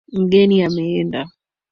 Mgeni ameenda.